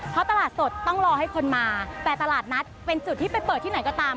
เพราะตลาดสดต้องรอให้คนมาแต่ตลาดนัดเป็นจุดที่ไปเปิดที่ไหนก็ตาม